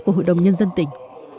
của hội đồng nhân dân tỉnh